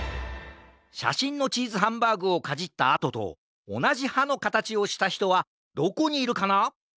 しゃしんのチーズハンバーグをかじったあととおなじはのかたちをしたひとはどこにいるかな？